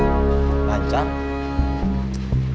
terima kasih ya pak